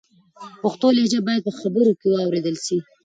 پښتو لهجه باید په خبرو کې و اورېدل سي.